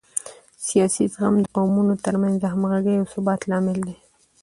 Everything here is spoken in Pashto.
سیاسي زغم د قومونو ترمنځ د همغږۍ او ثبات لامل دی